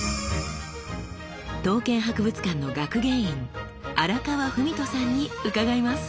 刀剣博物館の学芸員荒川史人さんに伺います。